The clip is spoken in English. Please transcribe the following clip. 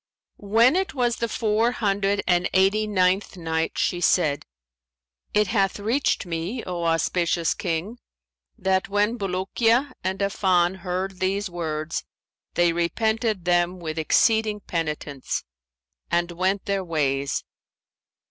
When it was the Four Hundred and Eighty ninth Night, She said, It hath reached me, O auspicious King, that "when Bulukiya and Affan heard these words, they repented them with exceeding penitence and went their ways.